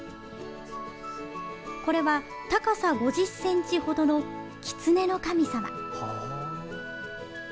これは高さ５０ｃｍほどのきつねの神様。